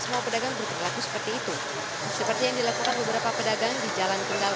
semua pedagang berperilaku seperti itu seperti yang dilakukan beberapa pedagang di jalan kendal